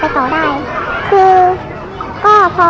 น้องน้องได้อยู่ทั้งส่วน